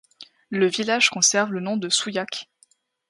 Le village conserve le nom de Souillac.